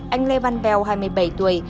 anh lê văn bèo hai mươi bảy